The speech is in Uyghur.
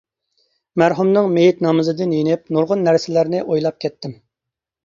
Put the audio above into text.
مەرھۇمنىڭ مېيىت نامىزىدىن يېنىپ نۇرغۇن نەرسىلەرنى ئويلاپ كەتتىم.